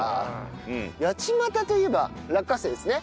八街といえば落花生ですね。